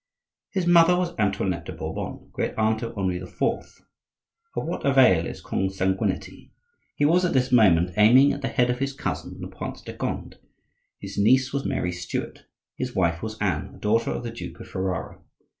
His mother was Antoinette de Bourbon, great aunt of Henri IV. Of what avail is consanguinity? He was, at this moment, aiming at the head of his cousin the Prince de Conde. His niece was Mary Stuart. His wife was Anne, daughter of the Duke of Ferrara.